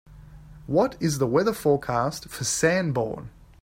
What is the weather forecast for Sanborn